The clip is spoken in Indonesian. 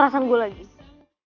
dan ngetik perasaan gue lagi